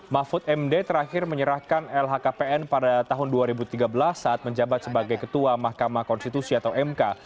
mahfud md terakhir menyerahkan lhkpn pada tahun dua ribu tiga belas saat menjabat sebagai ketua mahkamah konstitusi atau mk